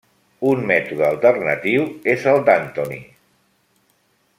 Un mètode alternatiu és el d'Antony.